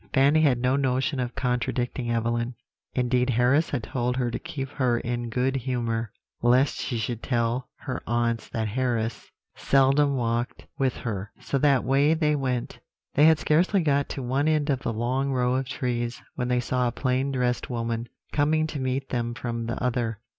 Fanny had no notion of contradicting Evelyn indeed Harris had told her to keep her in good humour, lest she should tell her aunts that Harris seldom walked with her; so that way they went. They had scarcely got to one end of the long row of trees when they saw a plain dressed woman coming to meet them from the other.